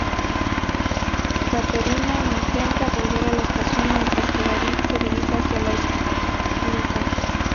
Katerina intenta volver a la estación mientras que David se dirije hacia la esclusa.